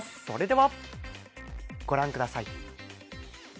それでは、御覧ください。